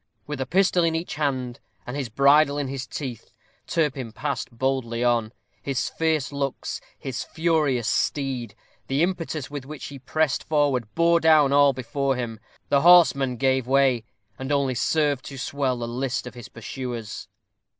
With a pistol in each hand, and his bridle in his teeth, Turpin passed boldly on. His fierce looks his furious steed the impetus with which he pressed forward, bore down all before him. The horsemen gave way, and only served to swell the list of his pursuers.